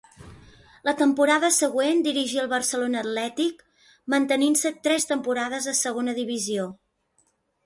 La temporada següent dirigí el Barcelona Atlètic, mantenint-se tres temporades a Segona Divisió.